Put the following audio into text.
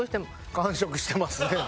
完食してますね。